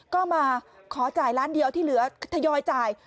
ก็มาขอจ่ายล้านเดียวที่เหลือทยอยจ่าย